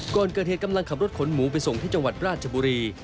ก่อนเกิดเหตุกำลังขับรถขนหมูไปส่งที่จังหวัดราชบุรี